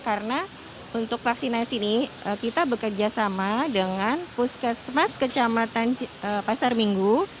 karena untuk vaksinasi ini kita bekerjasama dengan puskesmas kecamatan pasar minggu